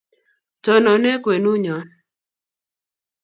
tonone kwenunyon